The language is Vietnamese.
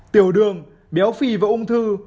tiểu đường béo phì và ung thư